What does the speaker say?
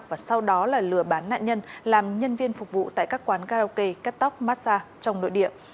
và sau đó là lừa bán nạn nhân làm nhân viên phục vụ tại các quán karaoke cắt tóc massage trong nội địa